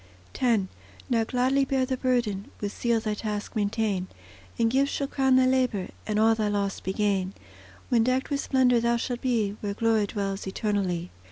X Now gladly bear the burden; With zeal thy task maintain, And gifts shall crown thy labour, And all thy loss be gain, When decked with splendour thou shalt be, Where glory dwells eternally.